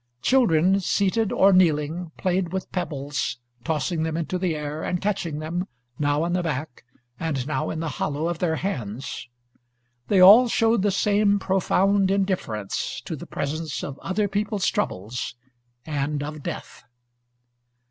Children, seated or kneeling, played with pebbles, tossing them into the air and catching them, now on the back and now in the hollow of their hands. They all showed the same profound indifference to the presence of other people's troubles and of death.